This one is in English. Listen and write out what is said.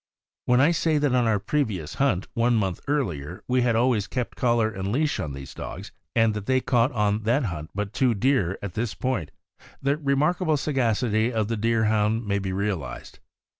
When I say that on our previous hunt, one month earlier, we had always kept collar and leash on these dogs, and that they caught on that hunt but two deer at this point, the remarkable sagacity ^of the Deerhound may be realized.